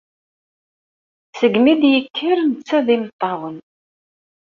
Seg mi d-ikker netta d imeṭṭawen.